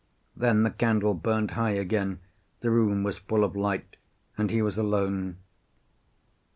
Then the candle burned high again, the room was full of light, and he was alone.